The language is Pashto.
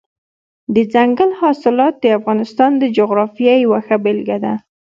دځنګل حاصلات د افغانستان د جغرافیې یوه ښه بېلګه ده.